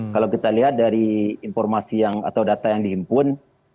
kalau kita lihat dari informasi atau data yang dihimpun